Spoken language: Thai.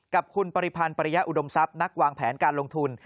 กับคุณปริพันธ์ปริยะอุดมทรัพย์นักวางแผนการลงทุน